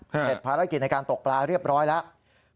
เสร็จภารกิจในการตกปลาเรียบร้อยแล้ว